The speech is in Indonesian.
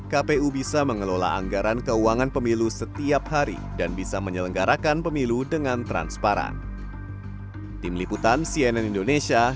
kpu bisa mengelola anggaran keuangan pemilu setiap hari dan bisa menyelenggarakan pemilu dengan transparan